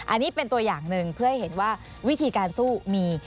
อันนี้เป็นตัวอย่างหนึ่งเพื่อให้เห็นว่าวิธีการสู้มี